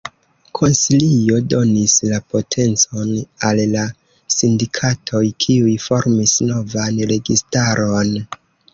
Konsilio donis la potencon al la sindikatoj, kiuj formis novan registaron.